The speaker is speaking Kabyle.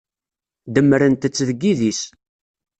Demmrent-tt deg yidis.